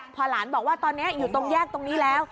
พอหลานบอกว่าอยู่ตรงแยกรถแล้ว